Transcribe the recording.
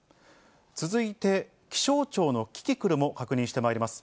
続いて気象庁のキキクルも確認してまいります。